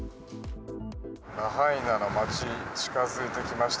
ラハイナの町近づいてきました。